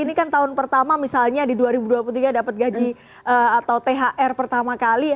ini kan tahun pertama misalnya di dua ribu dua puluh tiga dapat gaji atau thr pertama kali